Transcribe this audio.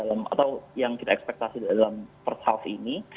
atau yang kita ekspektasi dalam first half ini